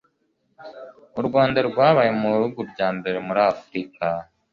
u rwanda rwabaye mu bihugu bya mbere muri afurika